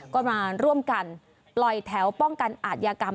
ก็มาร่วมกันปล่อยแถวป้องกันอาทยากรรม